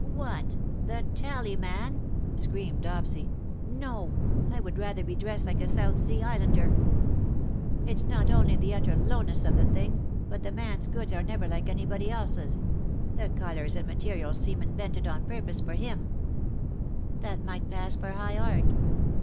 ^''" What, the Tallyman ?'' screamed Dopsy. " No, 1 would rather be dressed like a South Sea Islander. 90 " PAIN FOR THY GIRDLe/' ETC. It's not only the utter lowness of the thing ; but the man^s goods are never like anybody else^s. The colours and materials seem invented on purpose for him/^ " That might pass for high art."